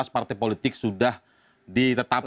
empat belas partai politik yang diperoleh